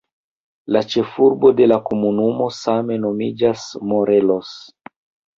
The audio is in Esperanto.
La ĉefurbo de la komunumo same nomiĝas "Morelos".